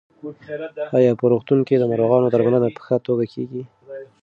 ایا په روغتون کې د ناروغانو درملنه په ښه توګه کېږي؟